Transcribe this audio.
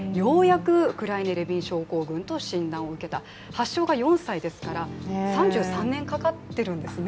発症が４歳ですから３３年かかってるんですね